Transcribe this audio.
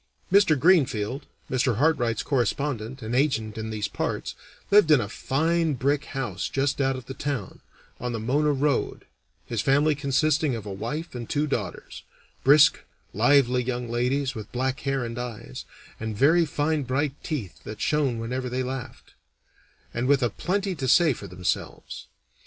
Mr. Greenfield, Mr. Hartright's correspondent and agent in these parts, lived in a fine brick house just out of the town, on the Mona Road, his family consisting of a wife and two daughters brisk, lively young ladies with black hair and eyes, and very fine bright teeth that shone whenever they laughed, and with a plenty to say for themselves.